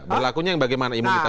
berlakunya yang bagaimana imunitas